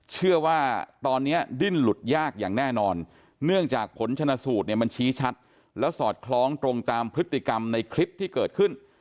เชื่อว่าตอนนี้ดิ้นหลุดยากอย่างแน่นอนเนื่องจากผลชนะสูตรเนี่ยมันชี้ชัดแล้วสอดคล้องตรงตามพฤติกรรมในคลิปที่เกิดขึ้น